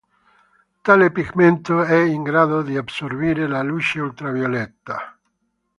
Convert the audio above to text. Tale pigmento è in grado di assorbire la luce ultravioletta.